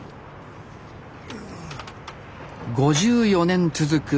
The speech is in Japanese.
５４年続く